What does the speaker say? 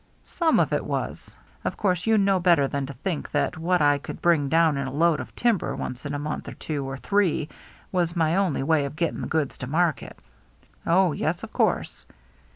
" Some of it was. Of course you know better than to think that what I could bring down in a load of timber once in a month, or two, or three, was my only way of getting the goods to market." " Oh, yes, of course."